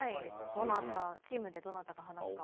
どなたチームでどなたが話すかを。